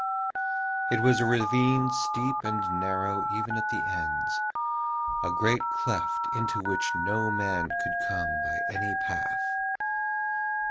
It was a ravine steep and narrow even at the ends, a great cleft into which no man could come by any path.